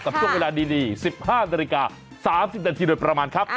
ช่วงเวลาดี๑๕นาฬิกา๓๐นาทีโดยประมาณครับ